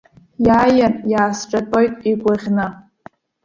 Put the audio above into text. Иааин иаасҿатәоит, игәаӷьны.